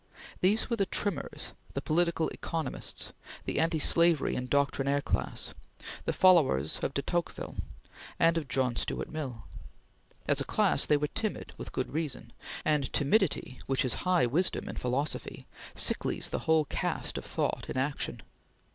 These were the trimmers, the political economists, the anti slavery and doctrinaire class, the followers of de Tocqueville, and of John Stuart Mill. As a class, they were timid with good reason and timidity, which is high wisdom in philosophy, sicklies the whole cast of thought in action.